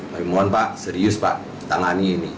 kami mohon pak serius pak tangani ini